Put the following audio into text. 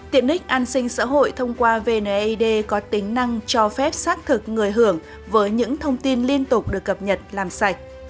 tiện ích an sinh xã hội thông qua vneid có tính năng cho phép xác thực người hưởng với những thông tin liên tục được cập nhật làm sạch